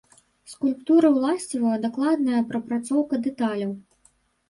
Скульптуры ўласціва дакладная прапрацоўка дэталяў.